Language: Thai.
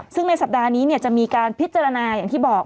ซึ่งในสัปดาห์นี้จะมีการพิจารณาอย่างที่บอก